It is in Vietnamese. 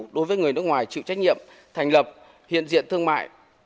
đối với người nước ngoài chịu trách nhiệm thành lập hiện diện thương mại